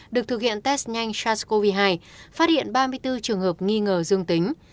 được thực hiện test nhanh sars cov hai phát hiện ba mươi bốn trường hợp nghi ngờ dương tính